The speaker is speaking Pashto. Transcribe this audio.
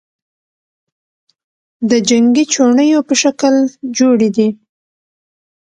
د جنگې چوڼیو په شکل جوړي دي،